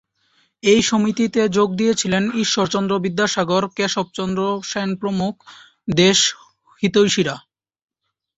এই সমিতিতে যোগ দিয়েছিলেন ঈশ্বরচন্দ্র বিদ্যাসাগর, কেশবচন্দ্র সেন প্রমুখ দেশ হিতৈষীরা।